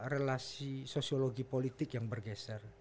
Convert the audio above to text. relasi sosiologi politik yang bergeser